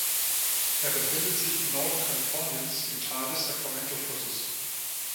Er befindet sich im Norden Kaliforniens, im Tal des Sacramento-Flusses.